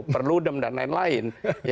perludem dan lain lain